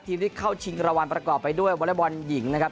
ทีมที่เข้าชิงรวรรดิ์ประกอบไปด้วยวัลย์บอลหญิงนะครับ